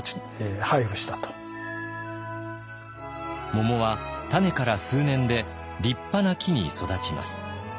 桃は種から数年で立派な木に育ちます。